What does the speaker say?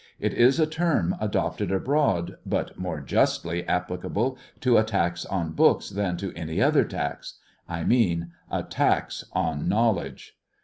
It is a term adopted abroad, but more justly applicable to a tax on books than to any other tax : I mean a tax on hnowlcdge.